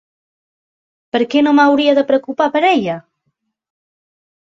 Per què no m'hauria de preocupar per ella?